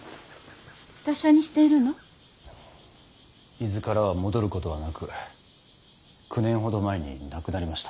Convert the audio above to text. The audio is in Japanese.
伊豆からは戻ることはなく９年ほど前に亡くなりました。